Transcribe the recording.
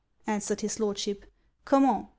_' answered his Lordship '_comment?